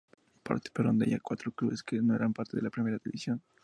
Participaron de ella cuatro clubes que no eran parte de la Primera División.